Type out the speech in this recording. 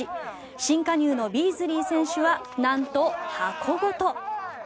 新加入のビーズリー選手はなんと、箱ごと。